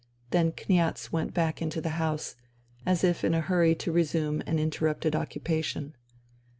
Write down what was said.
Then Kniaz went back into the house, as if in a hurry to resume an interrupted occupation.